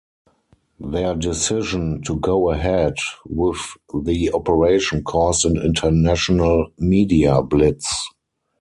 Their decision to go ahead with the operation caused an international media blitz.